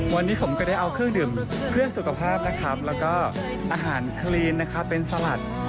วันนี้ผมก็ได้เอาเครื่องดื่มเพื่อสุขภาพนะครับแล้วก็อาหารคลีนนะครับเป็นสลัด